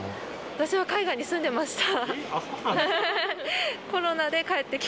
私は海外に住んでました。